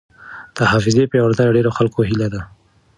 د حافظې پیاوړتیا د ډېرو خلکو هیله ده.